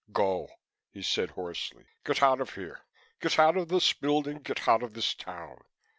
"Go!" he said hoarsely. "Get out of here, get out of this building, get out of this town.